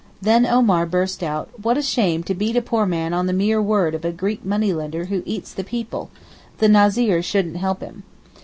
Then Omar burst out, 'What a shame to beat a poor man on the mere word of a Greek money lender who eats the people; the Nazir shouldn't help him.